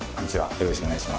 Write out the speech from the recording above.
よろしくお願いします。